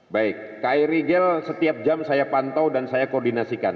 baik kri rigel setiap jam saya pantau dan saya koordinasikan